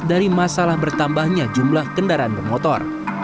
dari masalah bertambahnya jumlah kendaraan bermotor